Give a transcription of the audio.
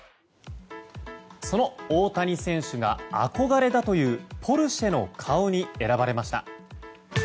その大谷選手が憧れだというポルシェの顔に選ばれました。